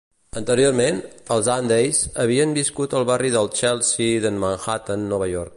Anteriorment, els Handeys havien viscut al barri del Chelsea de Manhattan, Nova York.